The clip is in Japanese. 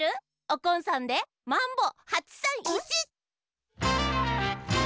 おこんさんで「マンボ８３１」！